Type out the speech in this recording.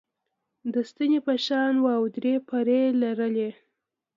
د ستنې په شان وه او درې پرې یي لرلې.